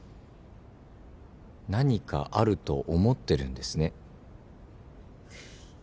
何かあると思ってるんですね。